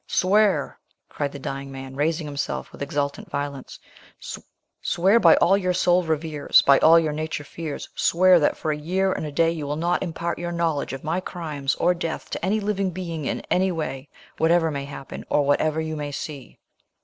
"Swear!" cried the dying man, raising himself with exultant violence, "Swear by all your soul reveres, by all your nature fears, swear that, for a year and a day you will not impart your knowledge of my crimes or death to any living being in any way, whatever may happen, or whatever you may see.